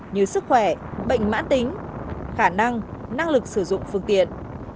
như sức khỏe bệnh mãn tính khả năng năng lực sử dụng phương tiện